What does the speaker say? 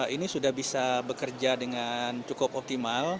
ini sudah bisa bekerja dengan cukup optimal